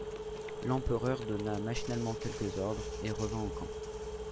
L'empereur donna machinalement quelques ordres, et revint au camp.